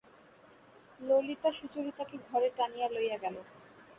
ললিতা সুচরিতাকে ঘরে টানিয়া লইয়া গেল।